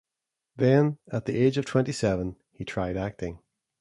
Then, at the age of twenty-seven, he tried acting.